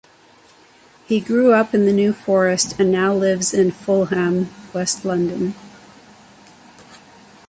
He grew up in the New Forest and now lives in Fulham, west London.